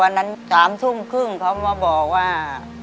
วันนั้นสามทรุ่งครึ่งเขามาบอกว่า